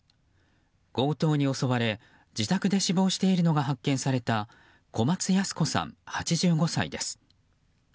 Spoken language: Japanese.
強盗に襲われ、自宅で死亡しているのが発見された小松ヤス子さん、８５歳です。